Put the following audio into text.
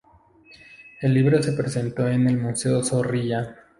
El libro se presentó en el Museo Zorrilla.